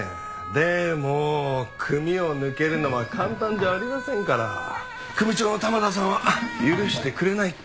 でも組を抜けるのは簡単じゃありませんから。組長の玉田さんは許してくれないって。